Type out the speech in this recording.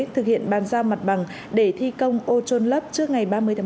thực hiện bàn giao mặt bằng để thi công ô trôn lấp trước ngày ba mươi tháng một mươi một